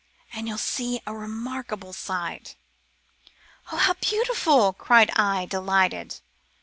And you'll see a remarkable sight.' V * O how beautiful !' cried I, delighted.